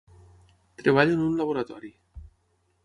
Treballo en un laboratori.